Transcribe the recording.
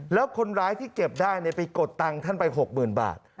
แล้วคนร้ายที่เก็บได้ไปกดตังค์ท่านไป๖๐๐๐บาท